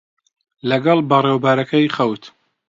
لەگەڵ بەڕێوەبەرەکەی خەوت.